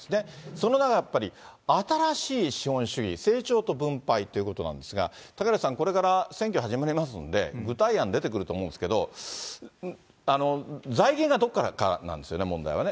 その中でやっぱり、新しい資本主義、成長と分配ということなんですが、嵩原さん、これから選挙始まりますんで、具体案出てくると思うんですけれども、財源がどこからかなんですよね、問題はね。